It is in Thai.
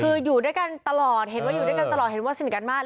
คืออยู่ด้วยกันตลอดเห็นว่าอยู่ด้วยกันตลอดเห็นว่าสนิทกันมาก